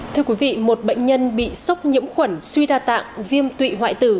thưa quý vị một bệnh nhân bị sốc nhiễm khuẩn suy đa tạng viêm tụy hoại tử